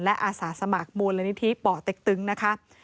และอาสาสมัครมูลนิธิป่อเต็กตึงนะคะ